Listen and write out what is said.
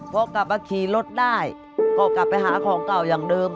พอกลับมาขี่รถได้ก็กลับไปหาของเก่าอย่างเดิม